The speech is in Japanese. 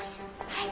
はい。